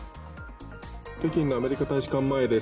北京のアメリカ大使館前です。